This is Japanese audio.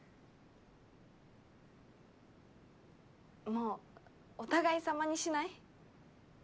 もうお互いさまにしない？